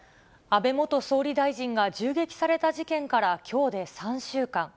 安倍元総理大臣が銃撃された事件からきょうで３週間。